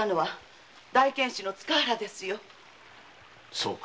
そうか。